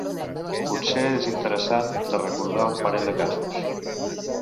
Potser és interessant de recordar un parell de casos.